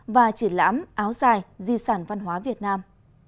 và triển lãm áo dài di sản văn hóa việt nam